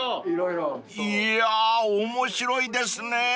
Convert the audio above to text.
［いやー面白いですねー］